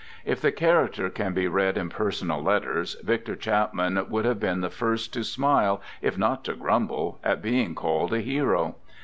If the character can be read in personal letters, Victor Chapman would have been the first to smile, if not to grumble, at being called a hero.